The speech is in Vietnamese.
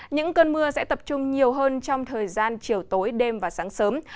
những cơn mưa sẽ tập trung nhiều hơn trong thời gian chiều tối đêm và sáng sớm